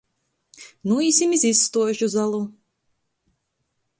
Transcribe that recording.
Nūīsim iz izstuožu zalu!